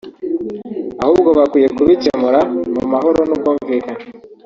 ahubwo bakwiye kubikemura mu mahoro n’ubwuvikane